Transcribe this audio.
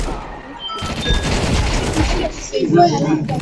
oge ọ na-akpụgharị ya bụ nwa amadi